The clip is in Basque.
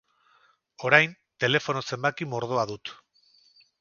Orain, telefono zenbaki mordoa dut.